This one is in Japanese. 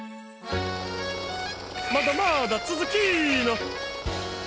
まだまだつづきの！